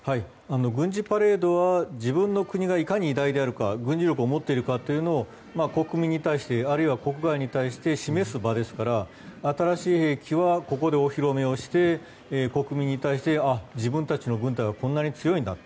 軍事パレードは自分の国がいかに偉大であるか軍事力を持っているかを国民に対してあるいは、国外に対して示す場なので新しい兵器はここでお披露目をして国民に対して自分たちの軍隊はこんなに強いんだ。